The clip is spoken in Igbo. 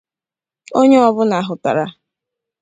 Onye ọ bụna hụtara